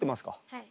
はい。